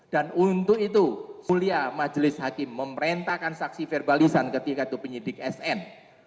dan untuk itu semulia majelis hakim memerintahkan saksi verbalisan ketika itu penyidik sn